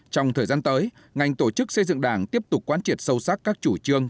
trong thời gian tới ngành tổ chức xây dựng đảng tiếp tục quan triệt sâu sắc các chủ trương